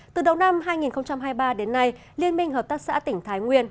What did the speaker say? từ đầu năm hai nghìn hai mươi ba đến nay liên minh hợp tác xã tỉnh thái nguyên